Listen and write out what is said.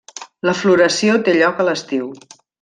La floració té lloc a l'estiu.